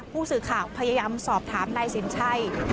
ผู้สื่อข่าวพยายามสอบถามนายสินชัย